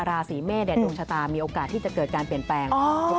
ราศีเมษดวงชะตามีโอกาสที่จะเกิดการเปลี่ยนแปลง